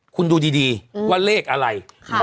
คุณดูดีว่าเลขอะไร